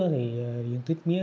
thì diện tích mía